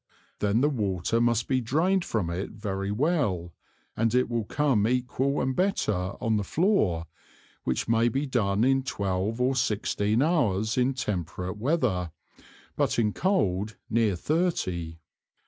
Then the water must be drain'd from it very well, and it will come equal and better on the floor, which may be done in twelve or sixteen Hours in temperate weather, but in cold, near thirty.